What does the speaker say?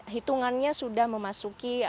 hitungannya sudah memanfaatkan